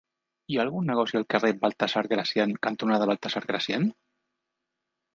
Hi ha algun negoci al carrer Baltasar Gracián cantonada Baltasar Gracián?